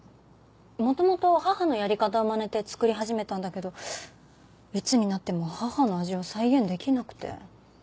元々母のやり方をまねて作り始めたんだけどいつになっても母の味を再現できなくて。